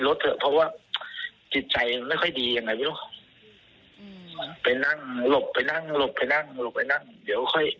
เราก็ไม่สู่ผันกับมันหรอกลูกน้องหลายคนก็